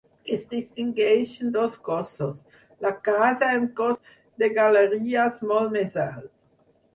Es distingeixen dos cossos: la casa i un cos de galeries molt més alt.